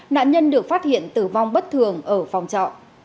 nạn nhân được phát hiện tử vong bất thường ở phòng trọ